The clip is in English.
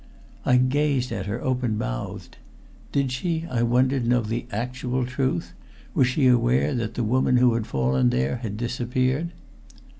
I gazed at her open mouthed. Did she, I wondered, know the actual truth? Was she aware that the woman who had fallen there had disappeared?